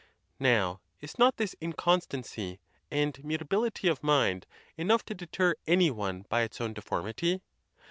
Now, is not this inconstancy and mutability of mind enough to deter any one by its own deformity?